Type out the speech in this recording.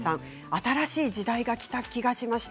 新しい時代がきた気がしました。